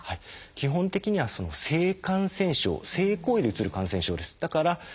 基本的には性感染症性行為でうつる感染症です。